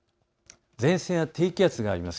前線や低気圧があります。